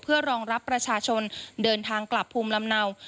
เพื่อรองรับประชาชนเดินทางกลับภูมิลำเนา